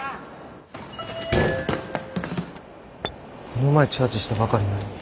この前チャージしたばかりなのに。